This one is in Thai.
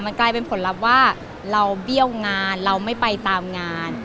กลายเป็นผลลัพธ์ว่าเราเบี้ยวงานเราไม่ไปตามงาน